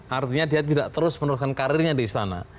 artinya dia tidak terus meneruskan karirnya di istana